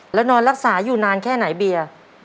แล้วนอนรักษาอยู่นานแค่ไหนเบียร์